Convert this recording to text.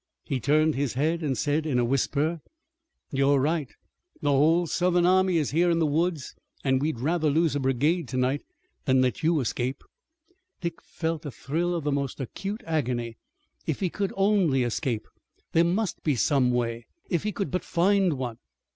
He turned his head and said in a whisper: "You're right. The whole Southern army is here in the woods, an' we'd rather lose a brigade tonight than let you escape." Dick felt a thrill of the most acute agony. If he could only escape! There must be some way! If he could but find one!